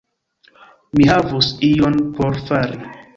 Mi havus ion por fari.